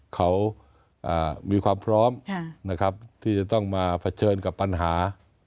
เขามีความพร้อมนะครับที่จะต้องมาเผชิญกับปัญหา